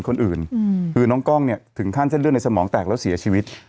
คนอื่นคือน้องกล้องเนี่ยถึงขั้นเส้นเลือดในสมองแตกแล้วเสียชีวิต